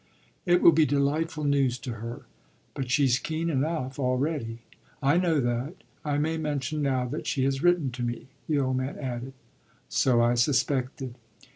"It will be delightful news to her. But she's keen enough already." "I know that. I may mention now that she has written to me," the old man added. "So I suspected."